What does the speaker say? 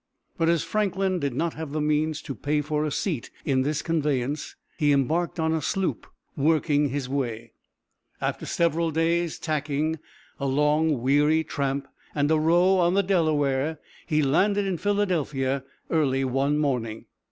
But as Franklin did not have the means to pay for a seat in this conveyance, he embarked on a sloop, working his way. After several days' tacking, a long, weary tramp, and a row on the Delaware, he landed in Philadelphia early one morning.